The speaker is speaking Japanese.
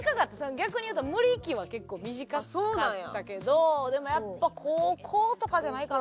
逆に言うと無理期は結構短かったけどでもやっぱ高校とかじゃないかな？